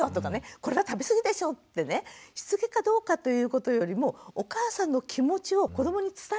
「これは食べ過ぎでしょ」ってねしつけかどうかということよりもお母さんの気持ちを子どもに伝えていいと思うんですよ。